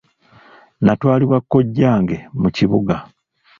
Natwalibwa kojjange mu kibuga.